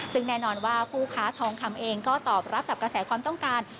ซึ่งแน่นอนว่าผู้ค้าทองคำเองก็ตอบรับกับกระแสความต้องการ